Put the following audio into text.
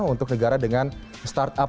untuk negara dengan startup